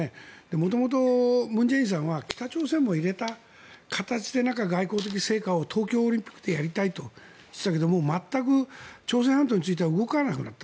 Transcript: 元々文在寅さんは北朝鮮も入れた形で外交的成果を東京オリンピックでやりたいと言っていたけども全く朝鮮半島については動かなくなった。